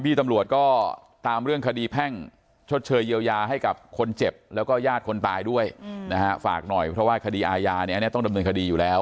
ตำรวจก็ตามเรื่องคดีแพ่งชดเชยเยียวยาให้กับคนเจ็บแล้วก็ญาติคนตายด้วยนะฮะฝากหน่อยเพราะว่าคดีอาญาเนี่ยอันนี้ต้องดำเนินคดีอยู่แล้ว